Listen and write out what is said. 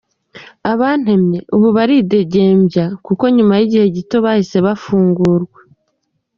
Abantemye ubu baridegembya kuko nyuma y’igihe gito bahise bafungurwa.